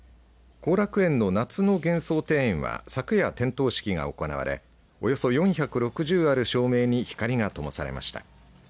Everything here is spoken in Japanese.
後楽園の夏の幻想庭園は昨夜、点灯式が行われおよそ４６０ある照明に光がともされました。